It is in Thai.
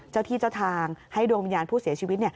เจ้าที่เจ้าทางให้ดวงวิญญาณผู้เสียชีวิต